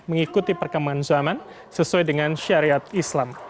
mengikuti perkembangan zaman sesuai dengan syariat islam